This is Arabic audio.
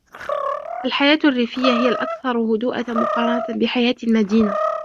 الحياة الريفية هي الأكثر هدوءًً مقارنةً بحياة المدينة.